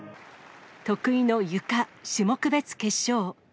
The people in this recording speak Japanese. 得意のゆか、種目別決勝。